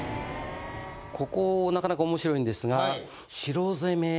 ここなかなか面白いんですが。